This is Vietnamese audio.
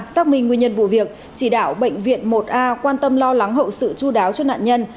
xác minh nguyên nhân vụ việc chỉ đạo bệnh viện một a quan tâm lo lắng hậu sự chú đáo cho nạn nhân